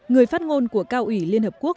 nguyễn phong chủ tịch đảng trung hữu